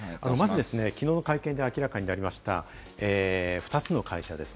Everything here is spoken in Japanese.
きのうの会見で明らかになりました、２つの会社です。